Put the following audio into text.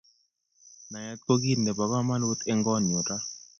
Naet ko kit nebo kamanut eng ngonyuni ra